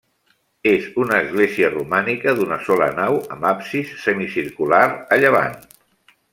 És una església romànica d'una sola nau, amb absis semicircular a llevant.